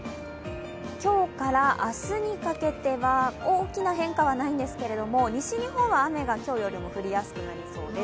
今日から明日にかけては大きな変化はないんですけど西日本は雨が今日よりも降りやすくなりそうです。